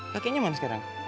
kakeknya mana sekarang